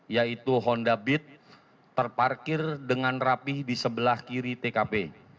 yaitu honda bit terparkir dengan rapih di sebelah kiri tkp